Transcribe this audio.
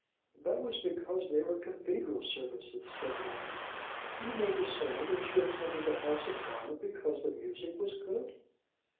"That was because they were cathedral services," said Mary. "You mean to say that you attended the House of God because the music was good!"